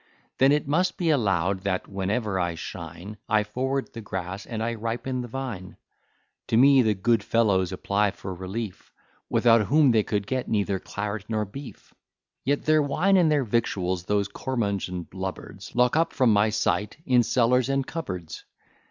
Then it must be allow'd, that, whenever I shine, I forward the grass, and I ripen the vine; To me the good fellows apply for relief, Without whom they could get neither claret nor beef: Yet their wine and their victuals, those curmudgeon lubbards Lock up from my sight in cellars and cupboards.